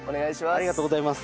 ありがとうございます。